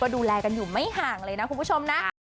ดูแลกันอยู่ไม่ห่างเลยนะคุณผู้ชมนะ